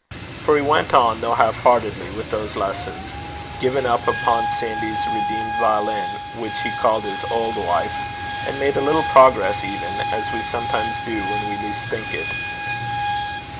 For he went on, though half heartedly, with those lessons, given now upon Sandy's redeemed violin which he called his old wife, and made a little progress even, as we sometimes do when we least think it.